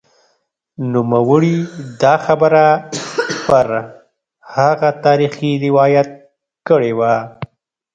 نوموړي دا خبره پر هغه تاریخي روایت کړې وه